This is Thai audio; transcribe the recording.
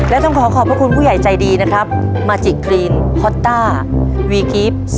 และขอขอบคุณผู้ใหญ่ใจดีนะครับ